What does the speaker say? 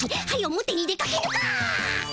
モテに出かけぬか！